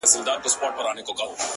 چي ستا د حسن پلوشې چي د زړه سر ووهي!!